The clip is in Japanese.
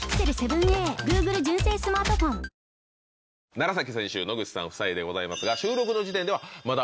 楢選手野口さん夫妻でございますが。